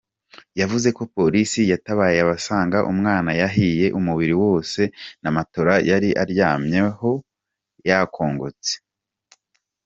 Yavuze ko Polisi yatabaye basanga umwana yahiye umubiri wose na matora yari aryamyeho yakongotse.